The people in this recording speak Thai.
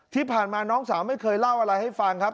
ที่ผ่านมาน้องสาวไม่เคยเล่าอะไรให้ฟังครับ